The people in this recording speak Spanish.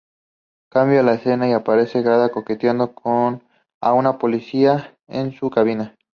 Cambia la escena y aparece Gaga coqueteando a un policía en su cabina.